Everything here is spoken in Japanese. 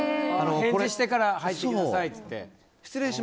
返事してから入ってきなさいって。